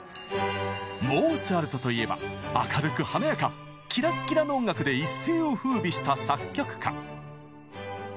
モーツァルトといえば明るく華やかキラッキラの音楽で一世を風靡した作曲家。